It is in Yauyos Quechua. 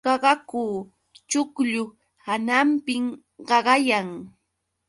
Qaqaku chuqllu hananpi qaqayan.